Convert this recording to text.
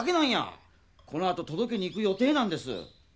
このあととどけにいく予定なんです。